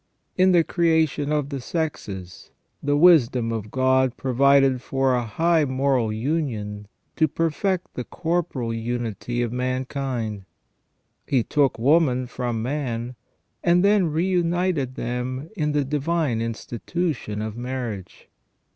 In the creation ot the sexes, the wisdom of God provided for a high moral union to perfect the corporal unity of mankind. He took woman from man, and then reunited them in the divine institution of marriage.